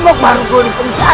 amuk marugul ini penjara